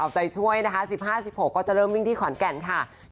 เอาใจช่วยนะคะ๑๕๑๖ก็จะเริ่มวิ่งที่ขอนแก่นค่ะ